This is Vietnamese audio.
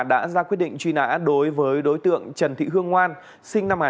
truy nã đối với đối tượng trần thị hương ngoan sinh năm một nghìn chín trăm bảy mươi